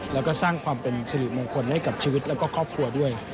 แล้วก็สร้างความเป็นสิริมงคลให้กับชีวิตแล้วก็ครอบครัวด้วย